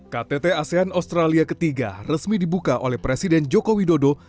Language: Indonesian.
ktt asean australia ketiga resmi dibuka oleh presiden joko widodo